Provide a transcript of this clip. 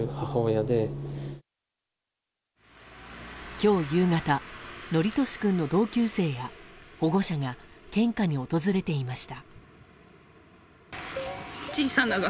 今日夕方規稔君の同級生や保護者が献花に訪れていました。